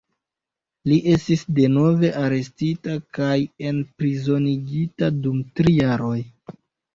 Li estis denove arestita kaj enprizonigita dum tri jaroj.